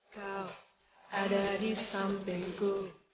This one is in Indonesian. kau ada di sampingku